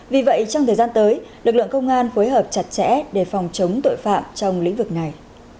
vì vậy trong thời gian tới lực lượng công an phối hợp chặt chẽ để phòng chống tội phạm trong lĩnh vực này